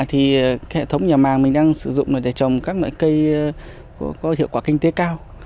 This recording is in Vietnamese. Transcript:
thì hệ thống nhà màng mình đang sử dụng để trồng các loại cây có hiệu quả kinh tế cao